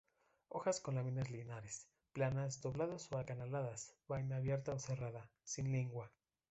Hojas con láminas lineares, planas, dobladas o acanaladas; vaina abierta o cerrada, sin lígula.